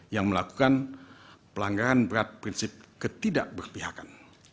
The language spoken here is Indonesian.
yang melakukan pelanggaran berat prinsip ketidakberpihakan